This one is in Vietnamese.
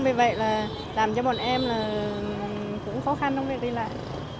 vì vậy là làm cho bọn em cũng khó khăn trong việc đi lại